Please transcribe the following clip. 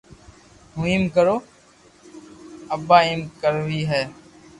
ھون ايم ڪرو ابا ايم ڪروي ھي